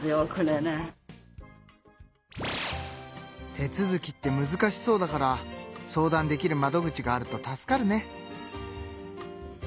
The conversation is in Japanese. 手続きってむずかしそうだから相談できる窓口があると助かるね。